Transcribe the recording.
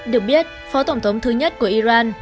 được biết phó tổng thống thứ nhất của iran